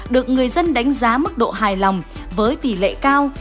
được người dân đánh giá mức độ hài lòng với tỷ lệ cao